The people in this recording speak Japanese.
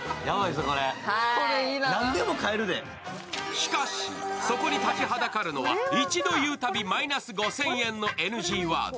しかし、そこに立ちはだかるのは一度言うたびマイナス５０００円のＮＧワード。